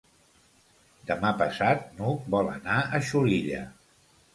Demà passat n'Hug vol anar a Xulilla.